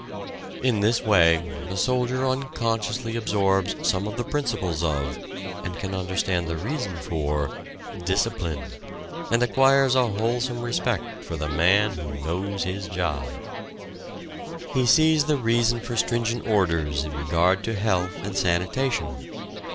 In this way the soldier unconsciously absorbs some of the principles of, and can understand the reason for, discipline, and acquires a wholesome respect for the man who knows his job. He sees the reason for stringent orders in regard to health and sanitation.